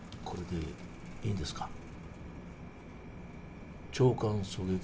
それでいいんですか？